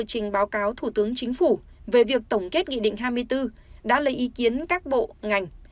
trình báo cáo thủ tướng chính phủ về việc tổng kết nghị định hai mươi bốn đã lấy ý kiến các bộ ngành